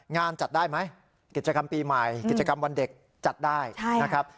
งานจัดได้ไหมกิจกรรมปีใหม่กิจกรรมวันเด็กจัดได้นะครับ